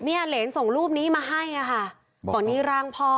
เนี่ยเหรนส่งรูปนี้มาให้ค่ะบอกว่านี่ร่างพ่อ